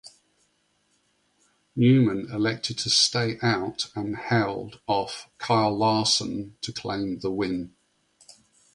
Newman elected to stay out and held off Kyle Larson to claim the win.